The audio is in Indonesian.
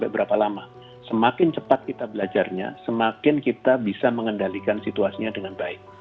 berapa lama semakin cepat kita belajarnya semakin kita bisa mengendalikan situasinya dengan baik